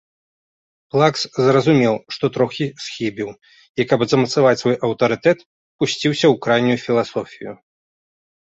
Плакс зразумеў, што троху схібіў, і, каб замацаваць свой аўтарытэт, пусціўся ў крайнюю філасофію.